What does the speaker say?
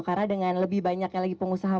karena dengan lebih banyaknya lagi pengusaha